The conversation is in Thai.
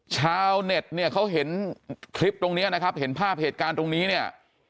ชาวเน็ตเนี่ยเขาเห็นคลิปตรงนี้นะครับเห็นภาพเหตุการณ์ตรงนี้เนี่ย